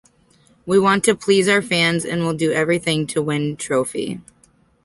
We want to please our fans and will do everything to win trophy.